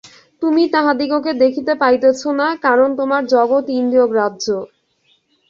তুমি তাঁহাদিগকে দেখিতে পাইতেছ না, কারণ তোমার জগৎ ইন্দ্রিয়গ্রাহ্য।